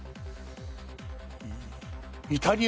イタリア？